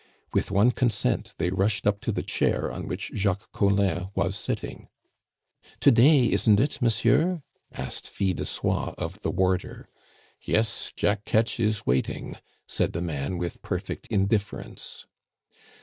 With one consent they rushed up to the chair on which Jacques Collin was sitting. "To day, isn't it, monsieur?" asked Fil de Soie of the warder. "Yes, Jack Ketch is waiting," said the man with perfect indifference.